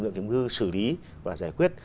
kiểm ngư xử lý và giải quyết